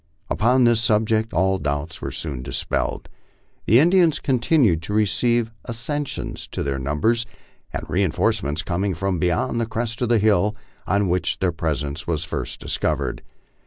Upon this subject all doubts were soon dispelled. The Indians continued to receive accessions to their numbers, the reinforce ments coming from beyond the crest of the hill on which their presence was first discovered.